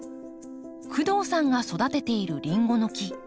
工藤さんが育てているリンゴの木。